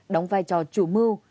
đóng vai trò chủ mưu